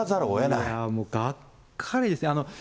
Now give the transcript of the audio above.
いやもう、がっかりですね。